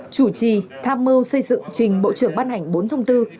chủ trì tham mưu xây dựng trình bộ trưởng ban hành bốn thông tư